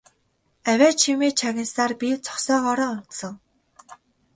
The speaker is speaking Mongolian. Авиа чимээ чагнасаар би зогсоогоороо унтсан.